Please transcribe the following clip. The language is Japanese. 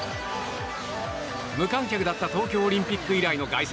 無観客だった東京オリンピック以来の凱旋。